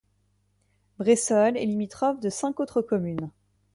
Bressols est limitrophe de cinq autres communes.